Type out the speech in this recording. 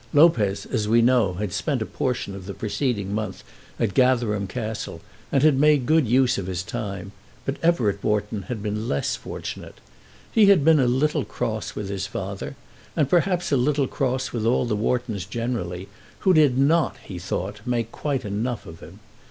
Lopez, as we know, had spent a portion of the preceding month at Gatherum Castle, and had made good use of his time, but Everett Wharton had been less fortunate. He had been a little cross with his father, and perhaps a little cross with all the Whartons generally, who did not, he thought, make quite enough of him.